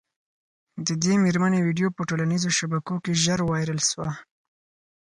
د دې مېرمني ویډیو په ټولنیزو شبکو کي ژر وایرل سوه